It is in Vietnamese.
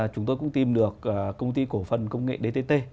chúng tôi cũng tìm được công ty cổ phần công nghệ dtt